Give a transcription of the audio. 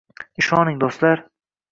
Ishoning do‘stlar